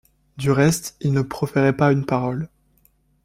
Du reste il ne proférait pas une parole.